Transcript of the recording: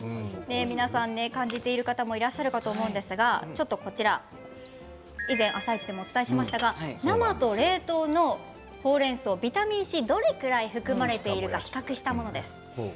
感じている方もいらっしゃるかもしれませんが以前「あさイチ」でお伝えしましたが生と冷凍のほうれんそうのビタミンＣどれくらい含まれているのか比較したものです。